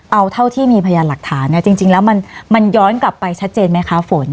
เอาเท่าที่มีพยานหลักฐานเนี่ยจริงแล้วมันย้อนกลับไปชัดเจนไหมคะฝน